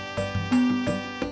tidak ada yang bisa diberikan